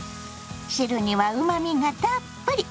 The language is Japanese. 汁にはうまみがたっぷり。